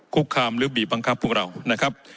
คุกคามหรือบีบบังคับพวกเรานะครับ